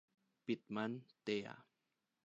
Pitman, Thea.